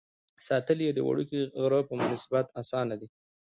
ساتل یې د یوه وړوکي غره په نسبت اسانه دي.